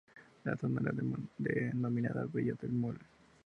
La zona era denominada Villa El Molle.